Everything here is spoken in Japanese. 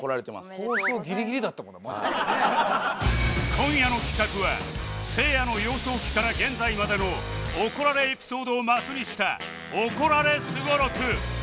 今夜の企画はせいやの幼少期から現在までの怒られエピソードをマスにした怒られすご録